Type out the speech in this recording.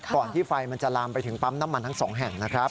ที่ไฟมันจะลามไปถึงปั๊มน้ำมันทั้งสองแห่งนะครับ